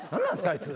あいつ。